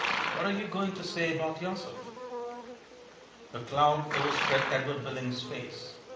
What are you going to say about yourself?" A cloud overspread Edward Billings's face.